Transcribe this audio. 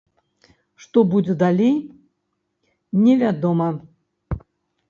Што будзе далей не вядома.